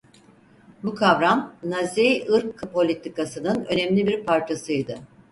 Bu kavram Nazi ırk politikasının önemli bir parçasıydı.